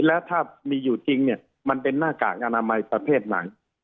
แล้วถ้ามีอยู่จริงเนี่ยมันเป็นหน้ากากอนามัยประเภทไหน